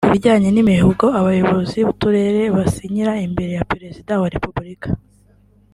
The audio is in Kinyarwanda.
Ku bijyanye n’imihigo abayobozi b’uturere basinyira imbere ya Perezida wa Repubulika